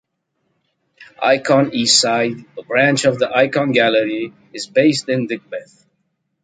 Ikon Eastside, a branch of the Ikon Gallery is based in Digbeth.